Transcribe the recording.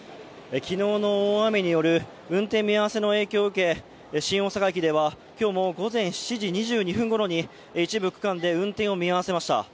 昨日の大雨による運転見合わせの影響を受け、新大阪駅では今日も午前７時２２分ごろに一部区間で運転を見合わせました。